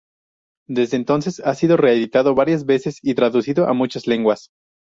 Desde entonces ha sido reeditado varias veces y traducido a muchas lenguas.